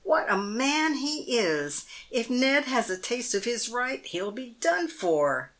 " What a man he is ! If Ned has a taste of his right, he'll be done for."